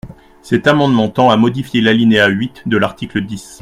Cet amendement tend à modifier l’alinéa huit de l’article dix.